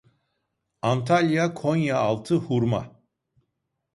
Antalya Konyaaltı Hurma